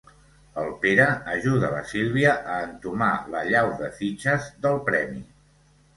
El Pere ajuda la Sílvia a entomar l'allau de fitxes del premi.